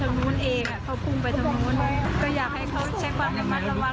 เราก็คงไม่รอดทีนี้เค้าพุ่งไปทางนู้นเอง